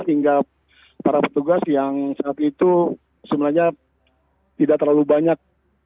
hingga para petugas yang saat itu sebenarnya tidak terlalu banyak